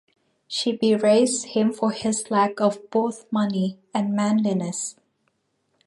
She berates him for his lack of both money and manliness.